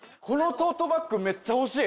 トートバッグめっちゃ欲しい。